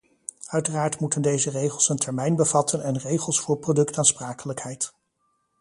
Uiteraard moeten deze regels een termijn bevatten en regels voor productaansprakelijkheid.